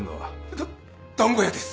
だ団子屋です。